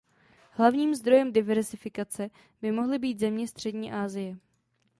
Hlavním zdrojem diverzifikace by mohly být země Střední Asie.